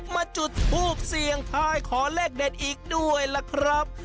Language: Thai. มาจุดทูบเสี่ยงทายขอเลขเด็ดอีกด้วยล่ะครับ